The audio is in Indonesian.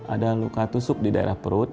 ada luka tusuk di daerah perut